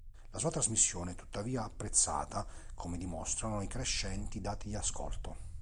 La sua trasmissione è tuttavia apprezzata, come dimostrano i crescenti dati di ascolto.